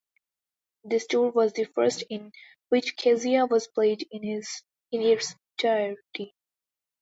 This tour was the first in which Kezia was played in its entirety.